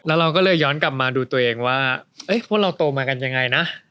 แล้วเราก็เลยย้อนกลับมาดูตัวเองว่าพวกเราโตมากันยังไงนะ